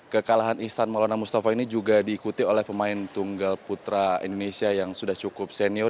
kekalahan ihsan maulana mustafa ini juga diikuti oleh pemain tunggal putra indonesia yang sudah cukup senior